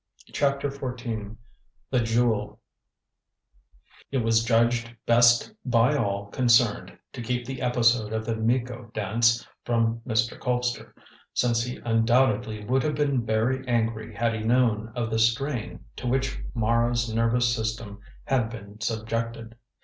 CHAPTER XIV THE JEWEL It was judged best by all concerned to keep the episode of the Miko dance from Mr. Colpster, since he undoubtedly would have been very angry had he known of the strain to which Mara's nervous system had been subjected.